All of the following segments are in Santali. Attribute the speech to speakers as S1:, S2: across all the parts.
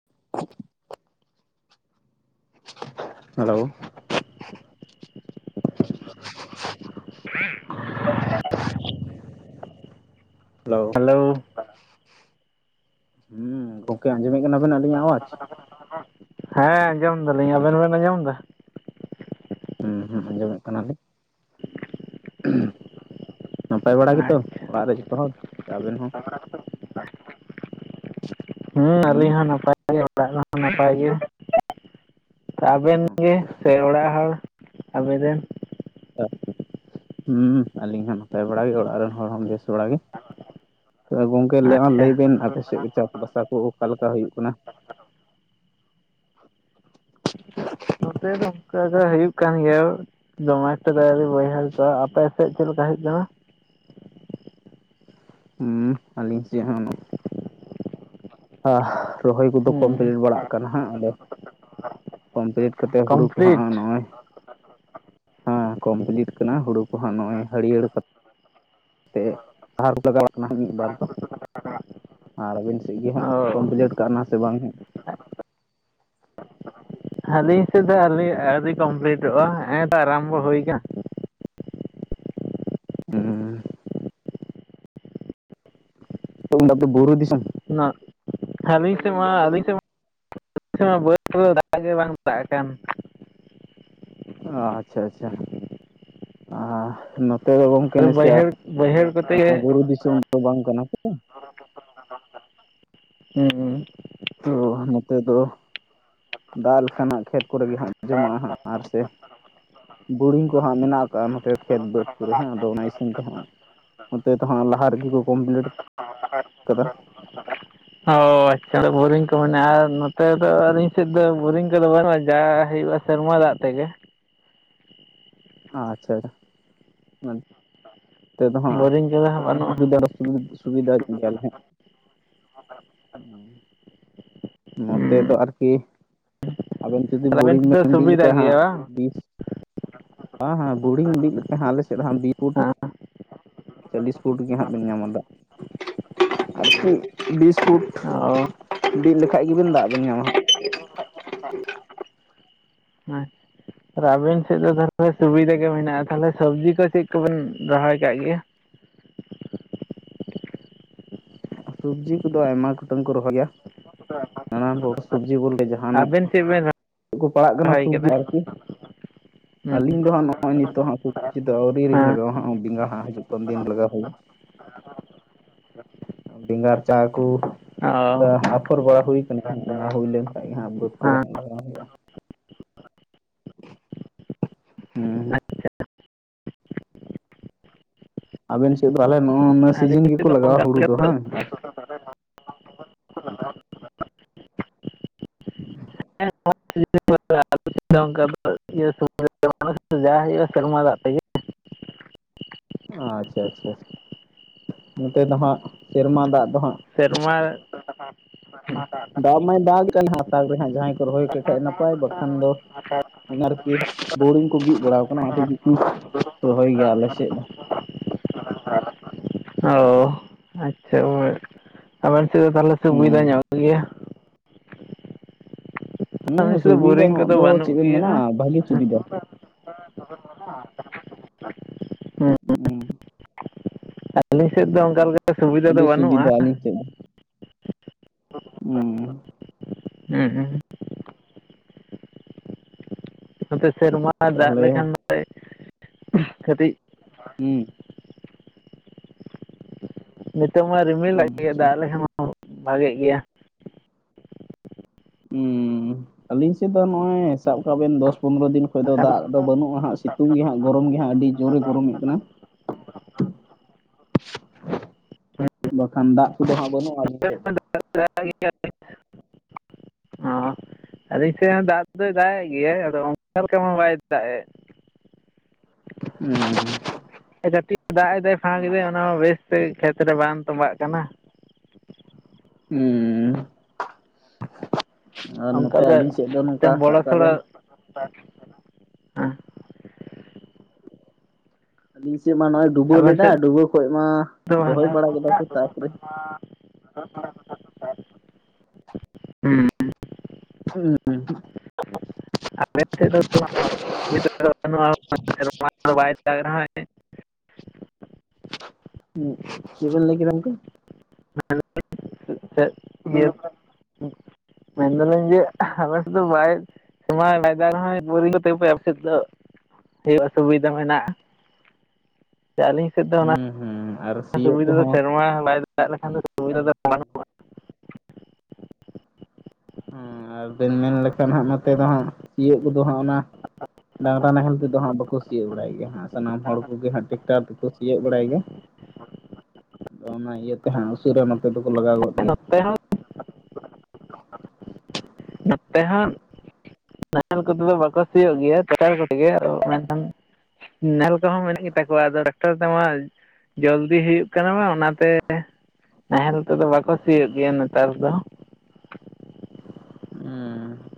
S1: [unintelligible] ᱦᱮᱞᱳ᱾
S2: [unintelligible]
S1: ᱦᱮᱞᱳ᱾
S2: ᱦᱮᱞᱳ᱾
S1: ᱦᱩᱸ ᱜᱚᱝᱠᱮ ᱟᱸᱡᱚᱢᱮᱫ ᱠᱟᱱᱟᱵᱮᱱ ᱟᱹᱞᱤᱧ ᱟᱣᱟᱡ?
S2: ᱦᱮᱸ ᱟᱸᱡᱚᱢ ᱫᱟᱞᱤᱧ ᱟᱵᱤᱱ ᱵᱮᱱ ᱟᱸᱡᱚᱢ ᱫᱟ᱾
S1: ᱦᱩᱸ ᱦᱩᱸ ᱟᱸᱡᱚᱢᱮᱫ ᱠᱟᱱᱟᱞᱤᱧ᱾ ᱱᱟᱯᱟᱭ ᱵᱟᱲᱟ ᱜᱮᱛᱚ ᱚᱲᱟᱜ ᱨᱮ ᱡᱚᱛᱚ ᱦᱚᱲ ᱥᱮ ᱟᱵᱮᱱ ᱦᱚᱸ?
S2: ᱦᱮᱸ
S1: ᱦᱩᱸ
S2: ᱟᱞᱤᱧ ᱱᱟᱯᱟᱭ ᱜᱮ ᱚᱲᱟᱜ ᱨᱮᱦᱚᱸ ᱱᱟᱯᱟᱭ ᱜᱮ ᱟᱵᱮᱱ ᱜᱮ
S1: ᱟᱪᱪᱷᱟ
S2: ᱥᱮ ᱚᱲᱟᱜ ᱦᱚᱲ ᱟᱵᱮᱱ ᱨᱮᱱ?
S1: ᱦᱩᱸ ᱟᱹᱞᱤᱧ ᱦᱚᱸ ᱱᱟᱯᱟᱭ ᱵᱟᱲᱟ ᱜᱮ ᱚᱲᱟᱜ ᱨᱮᱱ ᱦᱚᱲ ᱦᱚᱸ ᱵᱮᱥ ᱵᱟᱲᱟ ᱜᱤ᱾ ᱛᱚ ᱜᱚᱝᱠᱮ ᱞᱟᱹᱭ
S2: ᱟᱪᱪᱷᱟ
S1: ᱞᱟᱹᱭ ᱵᱮᱱ ᱟᱯᱮ ᱥᱮᱫ ᱪᱟᱥ ᱵᱟᱥᱟ ᱠᱚ ᱚᱠᱟ ᱞᱮᱠᱟ ᱦᱩᱭᱩᱜ ᱠᱟᱱᱟ?
S2: ᱱᱚᱛᱮ ᱫᱚ ᱚᱱᱠᱟ ᱜᱮ ᱦᱩᱭᱩᱜ ᱠᱟᱱ ᱜᱮᱭᱟ᱾ ᱡᱚᱢᱟᱭ ᱯᱮ ᱫᱟᱭᱤ ᱵᱚᱭᱦᱟᱹᱲ ᱛᱚ ᱟᱯᱮ ᱥᱮᱫ ᱪᱮᱫ ᱞᱮᱠᱟ ᱦᱩᱭᱩᱜ ᱠᱟᱱᱟ?
S1: ᱦᱩᱸ ᱟᱹᱞᱤᱧ ᱥᱮᱫ ᱦᱚᱸ ᱟᱦ ᱨᱚᱦᱚᱭ ᱠᱚᱫᱚ
S2: ᱦᱮᱸ
S1: ᱠᱚᱢᱯᱞᱤᱴ ᱵᱟᱲᱟᱜ ᱠᱟᱱᱟ ᱦᱟᱸᱜ ᱟᱫᱚ ᱠᱚᱢᱯᱞᱤᱴ ᱠᱟᱛᱮᱫ ᱦᱩᱲᱩ ᱠᱚ
S2: ᱠᱚᱢᱯᱞᱤᱴ
S1: ᱦᱟᱸᱜ ᱱᱚᱜᱼᱚᱭ ᱦᱮᱸ ᱠᱚᱢᱯᱞᱤᱴ ᱠᱟᱱᱟ, ᱦᱩᱲᱩ ᱠᱚᱦᱟᱸᱜ ᱱᱚᱜ ᱚᱭ ᱦᱟᱹᱨᱭᱟᱹᱲ ᱛᱮ [unintelligible] ᱞᱟᱜᱟᱣ ᱠᱟᱱᱟ ᱢᱤᱫ ᱵᱟᱨ ᱫᱚ ᱟᱨ ᱟᱹᱵᱮᱱ ᱥᱮᱫ ᱜᱮ ᱦᱟᱸᱜ
S2: ᱚ
S1: ᱠᱚᱢᱯᱞᱤᱴ ᱠᱟᱱᱟ ᱥᱮ ᱵᱟᱝ?
S2: ᱟᱹᱞᱤᱧ ᱥᱮᱫ ᱫᱚ ᱟᱞᱤ ᱟᱣᱨᱤ ᱠᱚᱢᱯᱞᱤᱴᱚᱜᱼᱟ᱾ ᱦᱮᱸᱛᱚ ᱟᱨᱟᱢᱵᱚ ᱦᱩᱭ ᱱᱟ᱾
S1: ᱦᱩᱸ᱾ [unintelligible] ᱫᱚ ᱵᱩᱨᱩ ᱫᱤᱥᱚᱢ
S2: ᱚᱱᱟ ᱟᱹᱞᱤᱧ ᱥᱮᱫ ᱢᱟ ᱟᱹᱞᱤᱧ ᱥᱮᱫ ᱢᱟ [unintelligible] ᱵᱟᱹᱫᱽ ᱨᱮᱫᱚ ᱫᱟᱜ ᱜᱮ ᱵᱟᱝ ᱫᱟᱜ ᱟᱠᱟᱱ᱾
S1: ᱚ ᱟᱪᱷᱟ ᱟᱪᱷᱟ ᱟᱸ ᱱᱚ ᱛᱚ ᱜᱚᱝᱠᱮ ᱱᱟᱥᱮᱭᱟᱜ
S2: ᱵᱟᱹᱭᱦᱟᱹᱲ ᱵᱟᱹᱭᱦᱟᱹᱲ ᱠᱚᱛᱮ ᱜᱮ
S1: ᱵᱩᱨᱩ ᱫᱤᱥᱚᱢ ᱫᱚ ᱵᱟᱝ ᱠᱟᱱᱟ ᱥᱮ
S2: ᱦᱩᱸ᱾
S1: ᱛᱚ ᱱᱚᱛᱮ ᱫᱚ ᱫᱟᱜ ᱞᱮᱠᱷᱟᱱ ᱦᱟᱜᱸ ᱠᱷᱮᱛ ᱠᱚᱨᱮ ᱜᱮ ᱦᱟᱜ ᱡᱚᱢᱟᱜᱼᱟ ᱦᱟᱜᱸ ᱟᱨ ᱥᱮ ᱵᱳᱨᱤᱝ ᱠᱚ ᱦᱟᱸᱜ ᱢᱮᱱᱟᱜ ᱠᱟᱜᱼᱟ᱾ ᱱᱚᱛᱮ ᱠᱷᱮᱛ ᱵᱟᱹᱫᱽ ᱠᱚᱨᱮ ᱦᱟᱸᱜ ᱟᱫᱚ ᱚᱱᱟ ᱤᱥᱤᱱ ᱛᱮ ᱦᱟᱸᱜ ᱱᱚᱛᱮ ᱛᱚ ᱦᱟᱸᱜ ᱞᱟᱦᱟ ᱨᱮᱜᱮ ᱠᱚ ᱠᱚᱢᱯᱞᱤᱴ ᱟᱠᱟᱫᱟ
S2: [unintelligible] ᱚ ᱟᱪᱪᱷᱟ ᱵᱳᱨᱤᱝ ᱠᱚ ᱢᱮᱱᱟᱜᱼᱟ᱾ ᱟᱨ ᱱᱚᱛᱮ ᱫᱚ ᱟᱹᱞᱤᱧ ᱥᱮᱫ ᱫᱚ ᱵᱳᱨᱤᱝ ᱠᱚᱫᱚ ᱵᱟᱹᱱᱩᱜᱼᱟ᱾ ᱡᱟ ᱦᱩᱭᱩᱜᱼᱟ᱾ ᱥᱮᱨᱢᱟ ᱫᱟᱜ ᱛᱮᱜᱮ᱾
S1: ᱟᱪᱪᱷᱟ ᱟᱪᱷᱟ [unintelligible] ᱛᱮᱫᱚ ᱦᱟᱸᱜ
S2: ᱵᱳᱨᱤᱝ ᱠᱚᱫᱚ ᱦᱟᱸᱜ ᱵᱟᱹᱱᱩᱜᱼᱟ
S1: [unintelligible] ᱥᱩᱵᱤᱫᱷᱟ ᱜᱮᱞ [unintelligible] ᱱᱚᱛᱮ
S2: ᱦᱟᱸᱜ
S1: ᱫᱚ ᱟᱨᱠᱤ ᱟᱫᱚ ᱱᱚᱛᱮ ᱫᱚ
S2: ᱟᱵᱮᱱ
S1: ᱵᱤᱞᱰᱤᱝ
S2: ᱥᱮᱫ ᱥᱩᱵᱤᱫᱟ
S1: [unintelligible] ᱦᱟᱸᱜ
S2: ᱜᱮᱭᱟ ᱵᱟᱝ
S1: ᱵᱤᱥ [unintelligible] ᱦᱟᱸ ᱵᱳᱰᱤᱝ ᱵᱤᱡ ᱞᱮᱠᱷᱟ ᱦᱟᱸᱜ ᱟᱞᱮᱥᱮᱫ ᱫᱚ ᱦᱟᱸᱜ ᱵᱤᱯᱩᱴ
S2: ᱦᱮᱸ
S1: ᱪᱟᱞᱞᱤᱥ ᱯᱷᱩᱴ ᱜᱮ ᱦᱟᱸᱜ ᱵᱮᱱ ᱧᱟᱢᱟ ᱫᱟᱜ ᱟᱨᱠᱤ ᱵᱤᱥ ᱯᱷᱩᱴ
S2: ᱚ
S1: ᱵᱤᱫ ᱞᱮᱠᱷᱟᱡ ᱜᱮᱵᱮᱱ ᱫᱟᱜ ᱵᱮᱱ ᱧᱟᱢᱟ ᱦᱟᱜᱸ ᱾
S2: ᱟᱨ ᱟᱵᱮᱱ ᱥᱮᱫ ᱫᱚ ᱛᱟᱦᱚᱞᱮ ᱥᱩᱵᱤᱫᱷᱟ ᱜᱮ ᱢᱮᱱᱟᱜᱼᱟ᱾ ᱛᱟᱦᱚᱞᱮ ᱥᱚᱵᱡᱤ ᱠᱚ ᱪᱮᱫ ᱠᱚᱵᱮᱱ ᱨᱚᱦᱚᱭ ᱠᱟᱜ ᱜᱮᱭᱟ?
S1: ᱥᱚᱵᱽᱡᱤ ᱠᱚᱫᱚ ᱟᱭᱢᱟ ᱜᱚᱴᱟᱝ ᱠᱚ ᱨᱚᱦᱚᱭᱟ, ᱱᱟᱱᱟᱱ ᱠᱚ ᱥᱚᱵᱽᱡᱤ ᱵᱳᱞ ᱛᱮ ᱡᱟᱸᱦᱟᱱᱟᱜ
S2: ᱟᱵᱮᱱ ᱪᱮᱫ ᱵᱮᱱ
S1: ᱠᱚ ᱯᱟᱲᱟᱜ ᱠᱟᱱᱟ
S2: ᱨᱚᱦᱚᱭ
S1: ᱥᱚᱵᱽᱡᱤ
S2: ᱠᱟᱫᱟ
S1: ᱟᱨᱠᱤ,
S2: ᱦᱩᱸ
S1: ᱟᱹᱞᱤᱧ ᱫᱚ ᱦᱟᱸᱜ ᱱᱚᱜᱼᱚᱭ ᱱᱤᱛᱚᱜ ᱦᱟᱸᱜ ᱥᱚᱵᱽᱡᱤ ᱫᱚ ᱟᱹᱣᱨᱤ ᱞᱤᱧ
S2: ᱦᱮᱸ
S1: ᱞᱟᱜᱟᱣᱟ ᱦᱟᱸᱜ ᱵᱮᱸᱜᱟᱲ ᱦᱟᱸᱜ ᱦᱟᱡᱩᱜ ᱠᱟᱱ ᱫᱤᱱ ᱞᱟᱜᱟᱣ ᱦᱩᱭᱩᱜᱼᱟ᱾ ᱵᱮᱸᱜᱟᱨ ᱪᱟᱨ ᱠᱩ ᱠᱟᱻ
S2: ᱚ
S1: ᱟᱯᱷᱚᱨ ᱵᱟᱲᱟ ᱦᱩᱭ ᱠᱟᱱᱟ ᱦᱟᱸᱜ ᱚᱱᱟ ᱦᱩᱭ ᱞᱮᱱ ᱠᱷᱟᱡ ᱜᱮᱦᱟᱸᱜ ᱵᱟᱹᱫᱽ ᱠᱚᱨᱮ
S2: ᱦᱮᱸ
S1: ᱦᱟᱸᱜ ᱞᱟᱜᱟᱣ ᱦᱩᱭᱩᱜᱼᱟ᱾ ᱦᱩᱸ ᱟᱵᱮᱱ ᱥᱮᱜ ᱫᱚ ᱟᱞᱮ ᱱᱚᱜ ᱱᱚᱣᱟ
S2: ᱟᱹᱞᱤᱧ
S1: ᱥᱤᱡᱤᱱ ᱜᱮᱠᱚ
S2: ᱥᱮᱫ ᱫᱚ
S1: ᱞᱟᱜᱟᱣᱟ
S2: ᱚᱱᱠᱟ
S1: ᱦᱩᱲᱩ ᱫᱚ
S2: ᱞᱮᱠᱟ
S1: ᱦᱟᱝ?
S2: [unintelligible] [unintelligible] ᱡᱟ ᱦᱩᱭᱩᱜ-ᱟ ᱥᱮᱨᱢᱟ ᱫᱟᱜ ᱛᱮᱜᱮ᱾
S1: ᱚ ᱟᱪᱪᱷᱟ ᱟᱪᱪᱷᱟ ᱱᱚᱛᱮ ᱫᱚ ᱦᱟᱸᱜ ᱥᱮᱨᱢᱟ ᱫᱟᱜ ᱫᱚ ᱦᱟᱸᱜ
S2: ᱥᱮᱨᱢᱟ [unintelligible]
S1: ᱫᱟᱜ ᱢᱟᱭ ᱫᱟᱜᱮᱜ ᱠᱟᱱ ᱦᱟᱸᱜ ᱛᱟᱣ ᱨᱮᱦᱚᱸ ᱡᱟᱦᱟᱸᱭ ᱠᱚ ᱨᱚᱦᱚᱭ ᱴᱚᱠᱟᱜ ᱱᱟᱯᱟᱭ ᱵᱟᱠᱷᱟᱱ ᱫᱚ ᱚᱱᱮ ᱟᱨᱠᱤ ᱵᱳᱨᱤᱝ ᱠᱚ ᱵᱤᱫ ᱵᱟᱲᱟᱣ ᱟᱠᱟᱱᱟ ᱨᱚᱦᱚᱭ ᱜᱮ ᱟᱞᱮ ᱥᱮᱫ ᱫᱚ
S2: ᱚᱻ ᱟᱪᱪᱷᱟ ᱚᱣᱮ ᱟᱵᱮᱱ ᱥᱮᱫ ᱫᱚ ᱛᱟᱦᱞᱮ ᱥᱩᱵᱤᱫᱟ
S1: ᱦᱩᱸ
S2: ᱧᱚᱜ ᱜᱮᱭᱟ᱾
S1: ᱦᱩᱸ
S2: ᱟᱞᱮ ᱥᱮᱫ ᱫᱚ
S1: ᱥᱩᱵᱤᱫᱟ
S2: ᱵᱳᱨᱤᱝ
S1: ᱧᱚᱜ
S2: ᱠᱚᱫᱚ
S1: ᱫᱚ ᱪᱮᱜ
S2: ᱵᱟᱹᱱᱩᱜ
S1: ᱵᱮᱱ ᱢᱮᱱᱟ
S2: ᱜᱮᱭᱟ
S1: ᱵᱷᱟᱜᱤ
S2: ᱦᱮᱸ
S1: ᱥᱩᱵᱤᱫᱟ᱾ ᱦᱩᱸ
S2: ᱟᱹᱞᱤᱧ ᱥᱮᱫ ᱫᱚ ᱚᱱᱠᱟ ᱞᱮᱠᱟ ᱥᱩᱵᱤᱫᱷᱟ ᱫᱚ ᱵᱟᱹᱱᱩᱜᱼᱟ,
S1: ᱟᱞᱤᱧ ᱥᱮᱫ ᱫᱚ᱾ ᱩᱸ᱾
S2: ᱩᱸ ᱩᱸ᱾ ᱱᱚᱛᱮ ᱥᱮᱨᱢᱟ ᱫᱟᱜ
S1: ᱛᱟᱦᱚᱞᱮ
S2: ᱞᱮᱠᱷᱟᱱ ᱫᱚᱭ ᱠᱟᱹᱴᱤᱡ
S1: ᱦᱩᱸ᱾
S2: ᱱᱤᱛᱚᱜ ᱢᱟᱭ ᱨᱤᱢᱤᱞᱮᱜ
S1: ᱦᱩᱸ
S2: ᱜᱮᱭᱟ
S1: ᱟᱪᱪᱷᱟ
S2: ᱫᱟᱜ ᱞᱮᱠᱷᱟᱱ ᱢᱟ ᱵᱷᱟᱜᱮᱜ ᱜᱮᱭᱟ᱾
S1: ᱩᱸᱻ ᱟᱹᱞᱤᱧ ᱥᱮᱫ ᱫᱚ ᱱᱚᱸᱜᱼᱚᱭ ᱥᱟᱵ ᱠᱟᱜ ᱵᱤᱱ ᱫᱚᱥ ᱯᱚᱱᱨᱚ ᱫᱤᱱ ᱠᱷᱚᱡ ᱫᱚ
S2: ᱵᱟᱠᱷᱟᱱ
S1: ᱫᱟᱜ ᱫᱚ ᱵᱟᱹᱱᱩᱜᱼᱟ ᱦᱟᱸᱜ ᱥᱤᱛᱩᱝ ᱜᱮ ᱦᱟᱸᱜ ᱜᱚᱨᱚᱢ ᱜᱮ ᱦᱟᱸᱜ ᱟᱹᱰᱤ ᱡᱳᱨᱮ ᱜᱚᱨᱚᱢᱮᱜ ᱠᱟᱱᱟ᱾ ᱵᱟᱠᱷᱟᱱ ᱫᱟᱜ ᱠᱚᱫᱚ ᱦᱟᱸᱜ ᱵᱟᱹᱱᱩᱜᱼᱟ ᱥᱮ ᱪᱮᱫ?
S2: [unintelligible] ᱟᱞᱤᱧ ᱥᱮᱜ ᱦᱚᱸ ᱫᱟᱜ ᱫᱚᱭ ᱫᱟᱜ ᱮᱫ ᱜᱮᱭᱟᱭ ᱟᱫᱚ ᱚᱱᱠᱟ ᱞᱮᱠᱟ ᱢᱟ ᱵᱟᱭ ᱫᱟᱜ ᱮᱜ᱾
S1: ᱩᱸᱻ᱾
S2: ᱦᱮᱸ ᱠᱟᱹᱴᱤᱡ ᱫᱟᱜ ᱮᱫᱟᱭ ᱯᱷᱟᱸᱠ ᱮᱫᱟᱭ ᱚᱱᱟ ᱦᱚᱸ ᱵᱮᱥ ᱛᱮ ᱠᱷᱮᱛ ᱨᱮ ᱵᱟᱝ ᱛᱚᱸᱵᱟᱜ ᱠᱟᱱᱟ᱾
S1: ᱦᱩᱸᱻ ᱟᱨ
S2: ᱚᱱᱠᱟ
S1: ᱱᱚᱛᱮ
S2: ᱜᱮ
S1: ᱟᱹᱞᱤᱧ ᱥᱮᱜ ᱫᱚ ᱱᱚᱝᱠᱟ
S2: ᱢᱤᱫᱴᱟᱝ
S1: ᱥᱟᱵ
S2: ᱵᱚᱲᱚ
S1: ᱠᱟᱜ ᱵᱮᱱ
S2: [inaudible]
S1: ᱟᱹᱞᱤᱧ ᱥᱮᱜ ᱢᱟ ᱱᱚᱜᱼᱚᱭ ᱰᱩᱵᱟᱹ
S2: ᱟᱵᱮᱱ
S1: ᱞᱮᱫᱟ
S2: ᱥᱮᱫ
S1: ᱰᱩᱵᱟᱹ ᱠᱷᱚᱡ ᱢᱟ
S2: ᱫᱚ ᱦᱩᱸ
S1: ᱨᱚᱦᱚᱭ ᱵᱟᱲᱟ ᱠᱮᱫᱟ ᱠᱚ ᱛᱟᱨᱯᱚᱨᱮ
S2: ᱩᱸ᱾
S1: ᱦᱩᱸ᱾
S2: [unintelligible]
S1: ᱦᱩᱸ ᱪᱮᱜ ᱵᱮᱱ ᱞᱟᱹᱭ ᱠᱮᱫᱟ ᱜᱚᱝᱠᱮ?
S2: [unintelligible] ᱢᱮᱱ ᱫᱟᱞᱤᱧ ᱡᱮ ᱟᱞᱮ ᱥᱮᱫ ᱫᱚ ᱵᱟᱭ ᱛᱚᱸᱵᱟ ᱵᱟᱭ ᱫᱟᱜ ᱨᱮᱦᱚᱸ ᱵᱩᱨᱤᱝ ᱛᱮᱯᱮ ᱟᱯᱮ ᱥᱮᱫ ᱫᱚ ᱦᱩᱭᱩᱜᱼᱟ ᱥᱩᱵᱤᱫᱷᱟ ᱢᱮᱱᱟᱜᱼᱟ᱾ ᱡᱮ ᱟᱹᱞᱤᱧ ᱥᱮᱫ ᱫᱚ ᱚᱱᱟ
S1: ᱦᱩᱸ ᱦᱩᱸ ᱟᱨ ᱥᱤᱭᱳᱜ
S2: ᱥᱩᱵᱤᱫᱟ ᱫᱚ
S1: ᱠᱚᱦᱚᱸ
S2: ᱥᱮᱨᱢᱟ ᱵᱟᱭ ᱫᱟᱜ ᱞᱮᱠᱷᱟᱱ ᱫᱚ ᱥᱩᱵᱤᱫᱟ ᱫᱚ
S1: ᱦᱮᱸ
S2: ᱵᱟᱹᱱᱩᱜᱼᱟ
S1: ᱦᱩᱸ ᱟᱨ ᱵᱮᱱ ᱢᱮᱱ ᱞᱮᱠᱷᱟᱱ ᱦᱟᱸᱜ ᱱᱚᱛᱮ ᱫᱚ ᱦᱟᱸᱜ ᱥᱤᱭᱳᱜ ᱠᱚᱫᱚ ᱦᱟᱸᱜ ᱚᱱᱟ ᱰᱟᱝᱨᱟ ᱱᱟᱦᱮᱞ ᱛᱮᱫᱚ ᱦᱟᱸᱜ ᱵᱟᱠᱚ ᱥᱤᱭᱳᱜ ᱵᱟᱲᱟᱭ ᱜᱮᱭᱟ ᱦᱟᱸᱜ᱾ ᱥᱟᱱᱟᱢ ᱦᱚᱲ ᱠᱚᱜᱮ ᱦᱟᱸᱜ ᱴᱮᱠᱴᱟᱨ ᱛᱮᱠᱚ ᱥᱤᱭᱳᱜ ᱵᱟᱲᱟᱭ ᱜᱮᱭᱟ, ᱟᱫᱚ ᱤᱭᱟᱹ ᱛᱮ ᱦᱟᱸᱜ ᱥᱩᱨ ᱨᱮ ᱱᱚᱛᱮ ᱫᱚ ᱠᱚ ᱞᱟᱜᱟᱣ ᱜᱚᱫ ᱜᱮᱭᱟ᱾
S2: ᱱᱚᱛᱮ ᱦᱚᱸ ᱱᱚᱛᱮ ᱦᱚᱸ, [inaudible] ᱢᱮᱱᱠᱷᱟᱱ ᱱᱟᱦᱮᱞ ᱠᱚ ᱦᱚᱸ ᱢᱮᱱᱟᱜ ᱜᱮᱛᱟ ᱠᱚᱣᱟ ᱟᱫᱚ ᱴᱟᱠᱴᱟᱨ ᱛᱮᱢᱟ ᱡᱚᱞᱫᱤ ᱦᱩᱭᱩᱜ ᱠᱟᱱᱟ ᱵᱟᱝ ᱚᱱᱟ ᱛᱮ, ᱱᱟᱦᱮᱞ ᱛᱮ ᱫᱚ ᱵᱟᱠᱚ ᱥᱤᱭᱳᱜ ᱜᱮᱭᱟ ᱱᱮᱛᱟᱨ ᱫᱚ ᱾
S1: ᱦᱩᱸ,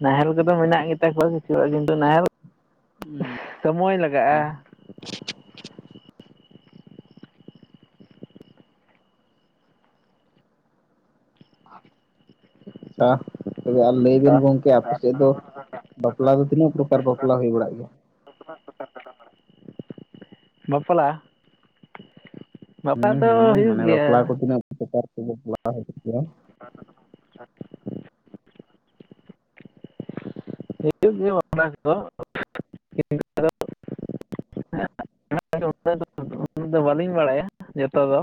S2: ᱱᱟᱦᱮᱞ ᱠᱚ ᱫᱚ ᱢᱮᱱᱟᱜ ᱜᱮᱛᱟ ᱠᱚᱣᱟ ᱠᱤᱪᱷᱩ ᱦᱚᱲᱟᱜ ᱠᱤᱱᱛᱩ ᱱᱟᱦᱮᱞ, ᱥᱚᱢᱚᱭ ᱞᱟᱜᱟᱜᱼᱟ᱾
S1: ᱟᱪᱪᱷᱟ, ᱛᱚᱵᱮ ᱟᱨ ᱞᱟᱹᱭ ᱵᱤᱱ ᱜᱚᱢᱠᱮ ᱟᱯᱮ ᱥᱮᱫ ᱫᱚ, ᱵᱟᱯᱞᱟ ᱫᱚ ᱛᱤᱱᱟᱹᱜ ᱯᱨᱚᱠᱟᱨ ᱵᱟᱯᱞᱟ ᱦᱳᱭ ᱵᱟᱲᱟᱜ ᱜᱮᱭᱟ?
S2: [inaudible] ᱵᱟᱯᱞᱟ, ᱵᱟᱯᱞᱟ
S1: ᱦᱩᱸ
S2: ᱛᱚ
S1: ᱦᱩᱸ
S2: ᱦᱳᱭᱳᱜ
S1: ᱢᱟᱱᱮ
S2: ᱜᱮᱭᱟ
S1: ᱵᱟᱯᱞᱟ [inaudible]
S2: [inaudible] [inaudible] [inaudible] ᱵᱟᱹᱞᱤᱧ ᱵᱟᱲᱟᱭᱟ ᱡᱚᱛᱚ ᱫᱚ,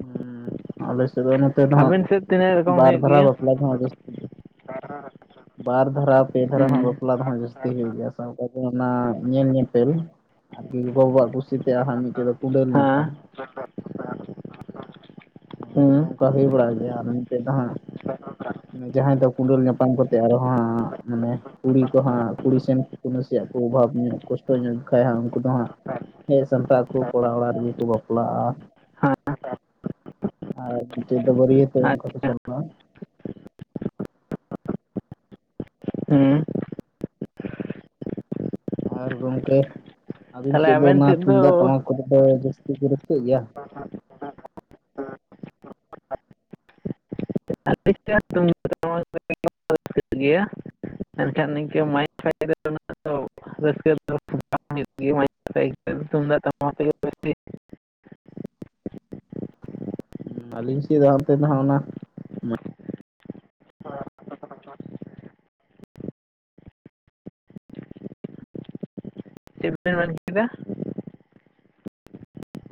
S1: ᱦᱩᱸ, ᱟᱞᱮ ᱥᱮᱫ ᱫᱚ ᱱᱚᱛᱮ ᱫᱚ ᱦᱟᱸᱜ
S2: ᱟᱵᱮᱱ ᱥᱮᱫ ᱛᱤᱱᱟᱹᱜ ᱨᱚᱠᱚᱢ
S1: ᱵᱟᱨ
S2: ᱦᱩᱭᱩᱜ
S1: ᱫᱷᱟᱨᱟ
S2: ᱜᱮᱭᱟ
S1: ᱵᱟᱯᱞᱟ ᱫᱚ ᱦᱟᱸᱜ ᱡᱟᱹᱥᱛᱤ ᱜᱮ,
S2: [inaudible]
S1: ᱵᱟᱨ ᱫᱷᱟᱨᱟ ᱯᱮ ᱫᱷᱟᱨᱟ
S2: ᱦᱩᱸ
S1: ᱦᱚᱸ ᱵᱟᱯᱞᱟ ᱫᱟᱦᱟᱜ ᱡᱟᱹᱥ ᱦᱩᱭᱩᱜ ᱜᱮᱭᱟ ᱥᱟᱶᱛᱟ ᱛᱮ ᱚᱱᱟ ᱧᱮᱞ ᱧᱮᱯᱮᱞ ᱟᱨᱠᱤ ᱜᱚᱜᱚᱼ ᱵᱟᱵᱟᱣᱟᱜ ᱠᱩᱥᱤ ᱛᱮ ᱟᱨ ᱢᱤᱫᱴᱮᱡ ᱫᱚ, ᱠᱩᱸᱰᱟᱹᱞ
S2: ᱦᱮᱸ,
S1: ᱧᱟᱯᱟᱢ
S2: ᱦᱩᱸ,
S1: ᱠᱟᱦᱤ ᱵᱟᱲᱟᱭ ᱫᱚ ᱢᱤᱫ ᱛᱮᱱ ᱫᱚ ᱦᱟᱸᱜ, ᱡᱟᱦᱟᱸᱭ ᱫᱚ ᱠᱩᱰᱟᱹᱞ ᱧᱟᱯᱟᱢ ᱠᱟᱛᱮ ᱟᱨᱚ ᱦᱚᱸ ᱢᱟᱱᱮᱼᱼ ᱠᱩᱲᱤ ᱠᱚ ᱦᱟᱸᱜ ᱠᱩᱲᱤ ᱥᱮᱱ ᱱᱟᱥᱮᱭᱟᱜ ᱠᱚ ᱚᱵᱷᱟᱵᱽ ᱧᱚᱜ ᱠᱚᱥᱴᱚ ᱧᱚᱜ ᱠᱷᱟᱡ ᱦᱟᱸᱜ ᱩᱱᱠᱩ ᱫᱚ ᱦᱟᱸᱜ ᱦᱮᱸ, ᱥᱟᱱᱛᱟᱲ ᱠᱚ ᱠᱚᱲᱟ ᱚᱲᱟᱜ ᱨᱮ ᱜᱮ ᱠᱚ ᱵᱟᱯᱞᱟᱜᱼᱟ ᱾ ᱟᱨ [inaudible] ᱛᱮ ᱟᱝᱠᱟ ᱠᱚ
S2: ᱟᱪᱪᱷᱟ
S1: ᱪᱚᱞᱟᱜ
S2: ᱦᱩᱸ,
S1: ᱟᱨ ᱜᱚᱢᱠᱮ ᱟᱹᱵᱤᱱ
S2: ᱛᱟᱦᱚᱞᱮ
S1: ᱥᱮᱫ ᱫᱚ
S2: ᱟᱵᱮᱱ
S1: ᱚᱱᱟ ᱛᱩᱢᱫᱟᱜ
S2: ᱫᱚ
S1: ᱴᱟᱢᱟᱠ ᱠᱚ ᱫᱚ ᱡᱟᱹᱥᱛᱤ ᱠᱚ ᱨᱟᱹᱥᱠᱟᱹᱜ ᱜᱮᱭᱟ?
S2: [inaudible] [inaudible] [inaudible]
S1: ᱟᱹᱞᱤᱧ ᱥᱮᱱ ᱫᱚ ᱦᱟᱱᱛᱮ ᱫᱚ ᱚᱱᱟ
S2: [inaudible] [inaudible] ᱠᱮᱫᱟ